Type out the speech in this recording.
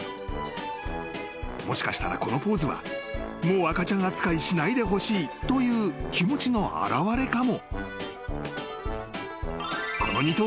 ［もしかしたらこのポーズはもう赤ちゃん扱いしないでほしいという気持ちの表れかも］